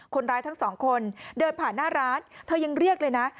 ทั้งสองคนเดินผ่านหน้าร้านเธอยังเรียกเลยนะ